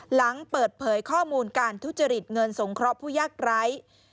หลังเปิดเผยข้อมูลการทุจริตเงินสงเคราะห์ผู้ยากไร้